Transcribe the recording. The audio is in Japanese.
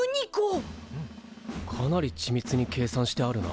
かなりちみつに計算してあるな。